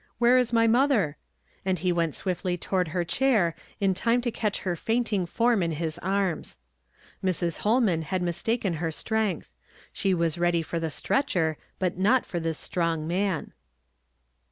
"Where is my mother?" and he went swiftly toward her chair in time to catch her fainting form in his arms. j\Irs. Ilolman had mistaken her strength ; slie was ready for the stretcher, but not for this strong man.